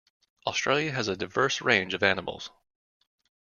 Australia has a diverse range of animals.